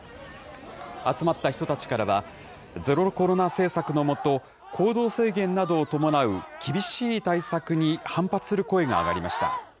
集まった人たちからは、ゼロコロナ政策の下、行動制限などを伴う厳しい対策に反発する声が上がりました。